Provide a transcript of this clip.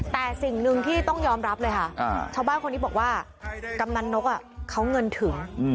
แต่สิ่งหนึ่งที่ต้องยอมรับเลยค่ะชาวบ้านคนนี้บอกว่ากำนันนกเขาเงินถึง